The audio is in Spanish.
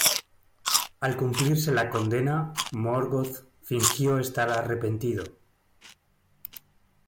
Al cumplirse la condena, Morgoth fingió estar arrepentido.